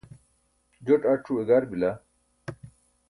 joṭ ac̣ue gar bila